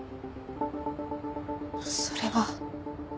それは。